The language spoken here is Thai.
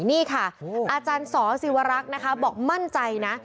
นี่ค่ะอาจารย์สอศิวรักษ์นะคะบอกมั่นใจนะ